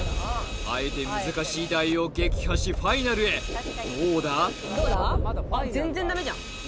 あえて難しい台を撃破しファイナルへどうだ？